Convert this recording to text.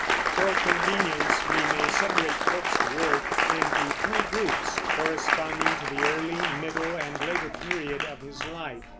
For convenience we may separate Pope's work into three groups, corresponding to the early, middle, and later period of his life.